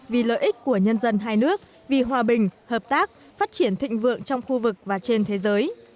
vì lợi ích của nhân dân hai nước vì hòa bình hợp tác phát triển thịnh vượng trong khu vực và trên thế giới